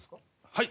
はい！